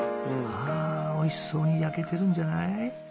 ああおいしそうに焼けてるんじゃない？